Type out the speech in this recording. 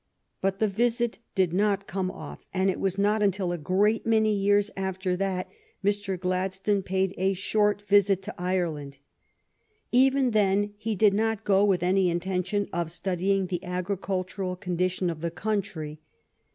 But the visit did not come off, and it was not until a great many years after that Mr. Gladstone paid a short visit to Ireland. Even then he did not go with any intention of studying the agricultural condi tions of the country.